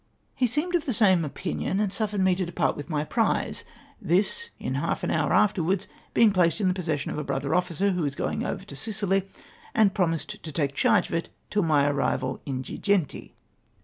He seemed of the same opmion, and suffered me to depart with my prize ; tliis in half an lioirr afterwards being placed in the possession of a brother officer who was going over to Sicily, and pro mised to take charge of it till my arrival at Girgenti.